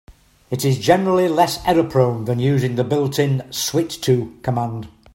It is generally less error-prone than using the built-in "switch to" command.